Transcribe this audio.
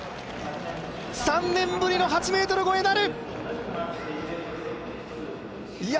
３年ぶりの８ｍ越えなる！